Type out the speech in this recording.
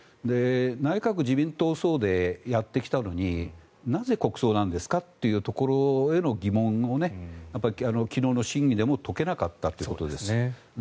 内閣・自民党葬でやってきたのになぜ国葬なんですかというところへの疑問を昨日の審議でも解けなかったということです。